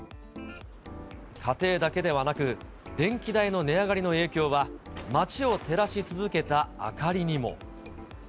家庭だけではなく、電気代の値上がりの影響は、街を照らし続けた明かりにも。